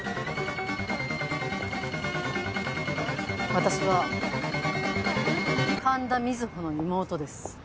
私は神田水帆の妹です。